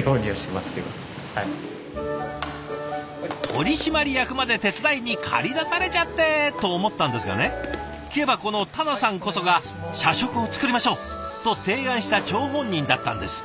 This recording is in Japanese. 取締役まで手伝いに借り出されちゃって！と思ったんですがね聞けばこの田名さんこそが「社食を作りましょう」と提案した張本人だったんです。